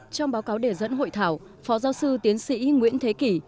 trong báo cáo đề dẫn hội thảo phó giáo sư tiến sĩ nguyễn thế kỷ